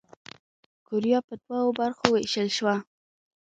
کوریا پر دوو برخو ووېشل شوه.